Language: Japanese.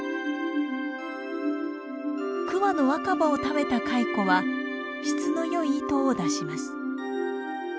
桑の若葉を食べた蚕は質の良い糸を出します。